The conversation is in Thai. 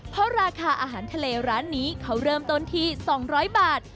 เพราะราคาอาหารทะเลร้านนี้เขาเริ่มต้นที่๒๐๐บาท